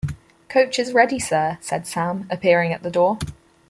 ‘Coach is ready, Sir,’ said Sam, appearing at the door.